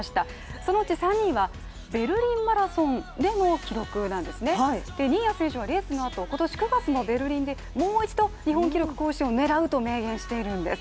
そのうち３人はベルリンマラソンでの記録なんですね、新谷選手はレースのあと、今年９月のベルリンでもう一度日本記録を狙うと明言しているんです。